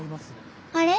あれ？